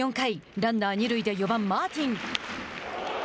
ランナー二塁で４番マーティン。